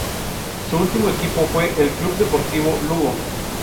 Su último equipo fue el Club Deportivo Lugo.